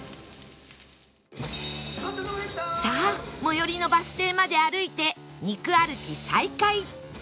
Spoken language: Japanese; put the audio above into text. さあ最寄りのバス停まで歩いて肉歩き再開